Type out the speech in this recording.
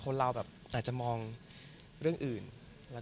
ก็มีไปคุยกับคนที่เป็นคนแต่งเพลงแนวนี้